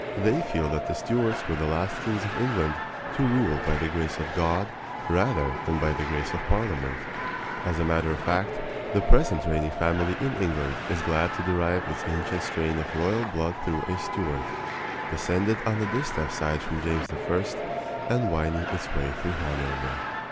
They feel that the Stuarts were the last kings of England to rule by the grace of God rather than by the grace of Parliament. As a matter of fact, the present reigning family in England is glad to derive its ancient strain of royal blood through a Stuart descended on the distaff side from James I., and winding its way through Hanover.